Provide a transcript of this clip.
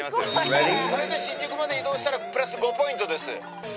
これで新宿まで移動したらプラス５ポイントです。